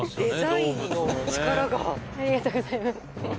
動物のねありがとうございます